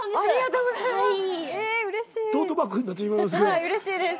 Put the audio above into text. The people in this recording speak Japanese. はいうれしいです。